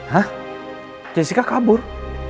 hah jessica kabur